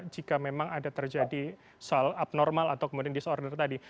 jika memang ada terjadi soal abnormal atau kemudian disorder tadi